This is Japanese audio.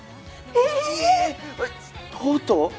ええっとうとう？